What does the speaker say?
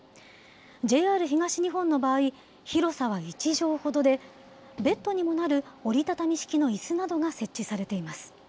ＪＲ東日本の場合、広さは１畳ほどで、ベッドにもなる折り畳み式のいすなどが設置されています。